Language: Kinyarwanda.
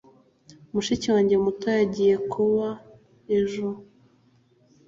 mushiki wanjye muto yagiye kobe ejo